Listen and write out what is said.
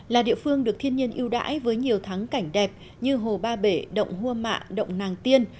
là địa phương được thiên nhiên yêu đãi với nhiều thắng cảnh đẹp như hồ ba bể động hua mạ động nàng tiên